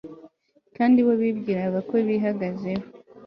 kandi bo bibwiraga ko bihagazeho